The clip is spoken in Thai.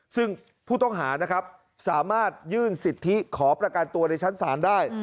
ซึ่งผู้ต้องหานะครับสามารถยื่นสิทธิขอประกันตัวในชั้นศาลได้